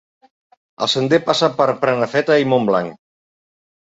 El sender passa per Prenafeta i Montblanc.